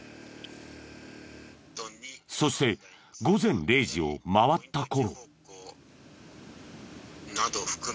そして午前０時を回った頃。